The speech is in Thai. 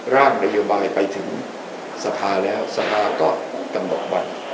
ร่างนโยบายไปถึงสภาแล้วสภาก็กำหนดวัน